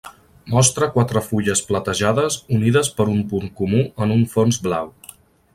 Mostra quatre fulles platejades unides per un punt comú en un fons blau.